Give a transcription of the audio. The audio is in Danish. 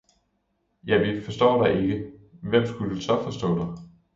Ja, forstår vi dig ikke, hvem skulle så forstå dig!